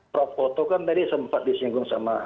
prof koto kan tadi sempat disinggung sama